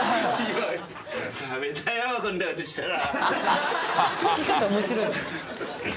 駄目だよこんなことしたら。